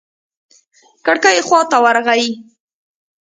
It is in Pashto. کړکۍ خوا ته ورغى.